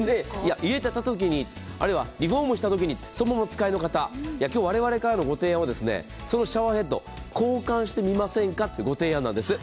家建てたときに、あるいはリフォームしたときに、そのままお使いの方、今日、我々からのご提案はそのシャワーヘッド、交換してみませんかというご提案です。